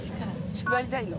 縛りたいの？